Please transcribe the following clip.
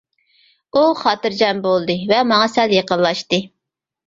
ئۇ خاتىرجەم بولدى ۋە ماڭا سەل يېقىنلاشتى.